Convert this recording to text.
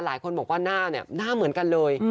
หลายคนบอกว่าหน้าเหมือนกันเลย